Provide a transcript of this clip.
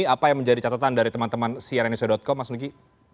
apa yang menjadi catatan dari teman teman siaranisho com mas nogi